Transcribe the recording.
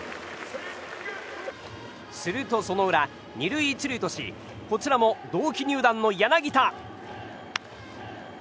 すると、その裏２塁１塁としこちらも同期入団の柳田。